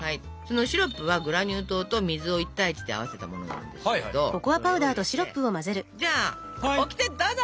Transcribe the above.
シロップはグラニュー糖と水を１対１で合わせたものなんですけどそれを入れてじゃあオキテどうぞ。